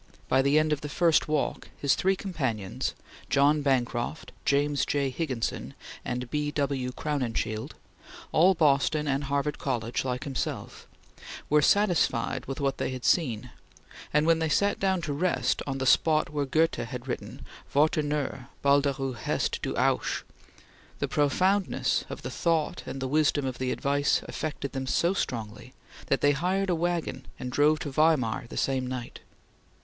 By the end of the first walk, his three companions John Bancroft, James J. Higginson, and B. W. Crowninshield, all Boston and Harvard College like himself were satisfied with what they had seen, and when they sat down to rest on the spot where Goethe had written "Warte nur! balde Rubest du auch!" the profoundness of the thought and the wisdom of the advice affected them so strongly that they hired a wagon and drove to Weimar the same night.